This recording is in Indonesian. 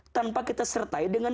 tanpa kita sertai dengan